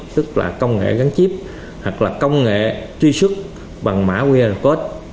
tức là công nghệ gắn chip hoặc là công nghệ truy xuất bằng mã qr code